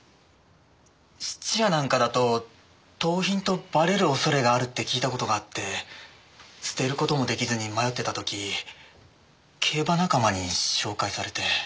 質屋なんかだと盗品とばれる恐れがあるって聞いた事があって捨てる事も出来ずに迷ってた時競馬仲間に紹介されて。